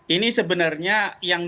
ini sebenarnya yang